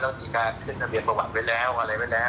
แล้วมีการขึ้นระเบียดประวัติไว้แล้ว